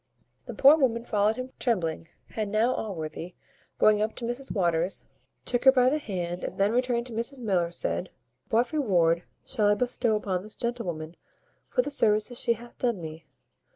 The poor woman followed him trembling; and now Allworthy, going up to Mrs Waters, took her by the hand, and then, turning to Mrs Miller, said, "What reward shall I bestow upon this gentlewoman, for the services she hath done me?